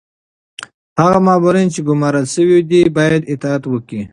هغه مامورین چي ګمارل شوي دي باید اطاعت وکړي.